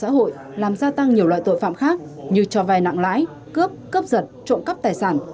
tệ nạn cờ bạc trong xã hội làm gia tăng nhiều loại tội phạm khác như cho vai nặng lãi cướp cướp giật trộm cắp tài sản